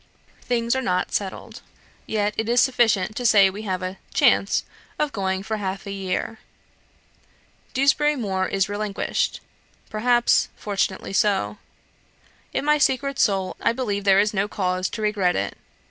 Things are not settled; yet it is sufficient to say we have a chance of going for half a year. Dewsbury Moor is relinquished. Perhaps, fortunately so. In my secret soul, I believe there is no cause to regret it.